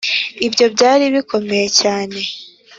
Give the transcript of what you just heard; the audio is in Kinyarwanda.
ibyo byari bikomeye cyane.